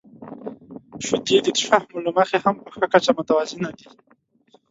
• شیدې د شحمو له مخې هم په ښه کچه متوازنه دي.